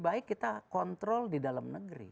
baik kita kontrol di dalam negeri